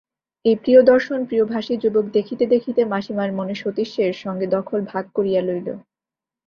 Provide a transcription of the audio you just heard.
এই প্রিয়দর্শন প্রিয়ভাষী যুবক দেখিতে দেখিতে মাসিমার মনে সতীশের সঙ্গে দখল ভাগ করিয়া লইল।